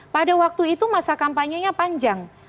pada waktu itu masa kampanye nya panjang